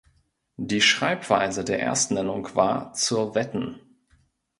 Die Schreibweise der Erstnennung war "zur Wetten".